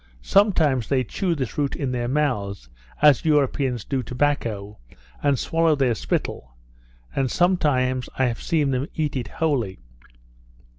Sometimes they chew this root in their mouths, as Europeans do tobacco, and swallow their spittle; and sometimes I have seen them eat it wholly.